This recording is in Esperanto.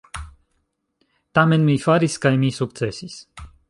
Tamen mi faris, kaj mi sukcesis.